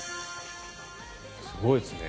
すごいですね。